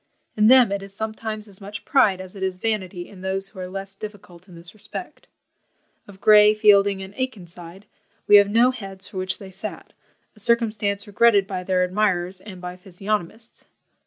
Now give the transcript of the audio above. In them it is sometimes as much pride as it is vanity in those who are less difficult in this respect. Of Gray, Fielding, and Akenside, we have no heads for which they sat; a circumstance regretted by their admirers, and by physiognomists.